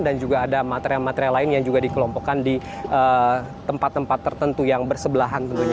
dan juga ada material material lain yang juga dikelompokkan di tempat tempat tertentu yang bersebelahan tentunya